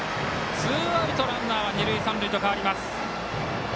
ツーアウト、ランナーは二塁三塁と変わります。